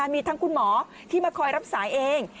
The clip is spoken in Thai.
มีทั้งคุณหมอที่มาคอยรับสายเอง